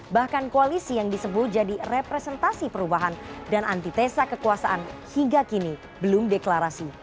bahkan koalisi yang disebut jadi representasi perubahan dan antitesa kekuasaan hingga kini belum deklarasi